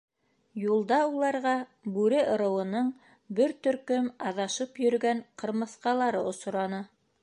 Юлда уларға Бүре ырыуының бер төркөм аҙашып йөрөгән ҡырмыҫҡалары осраны.